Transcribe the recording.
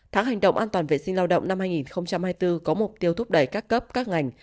tháng hành động an toàn vệ sinh lao động năm hai nghìn hai mươi bốn có mục tiêu thúc đẩy các cấp các ngành